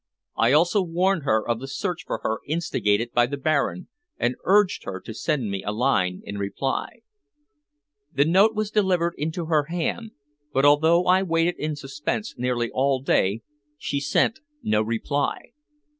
I also warned her of the search for her instigated by the Baron, and urged her to send me a line in reply. The note was delivered into her hand, but although I waited in suspense nearly all day she sent no reply.